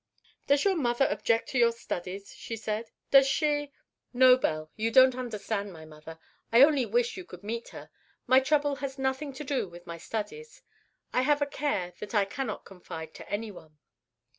"Does your mother object to your studies?" she said. "Does she——" "No, Belle; you don't understand my mother. I only wish you could meet her. My trouble has nothing to do with my studies. I have a care that I cannot confide to anyone."